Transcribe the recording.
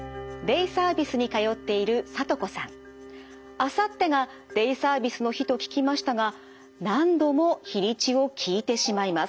あさってがデイサービスの日と聞きましたが何度も日にちを聞いてしまいます。